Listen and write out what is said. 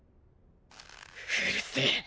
うるせえ